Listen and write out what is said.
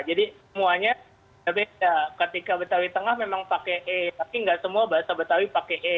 jadi semuanya beda ketika betawi tengah memang pakai e tapi nggak semua bahasa betawi pakai e